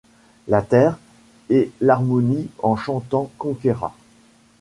la terre ! et l’harmonie en chantant conquerra